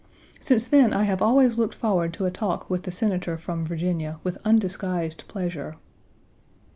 Since then, I have always looked forward to a talk with the Senator from Virginia with undisguised pleasure.